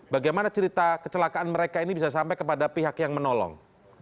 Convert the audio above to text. bagaimana cerita kecelakaan mereka ini bisa sampai kepada pihak yang menolong